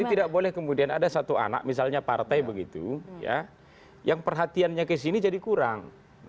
jadi tidak boleh kemudian ada satu anak misalnya partai begitu ya yang perhatiannya ke sini jadi kurang